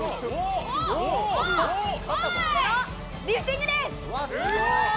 このリフティングです！